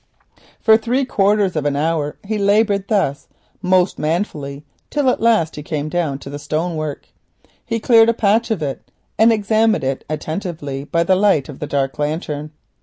For three quarters of an hour he laboured thus most manfully, till at last he came down on the stonework. He cleared a patch of it and examined it attentively, by the light of the dark lantern.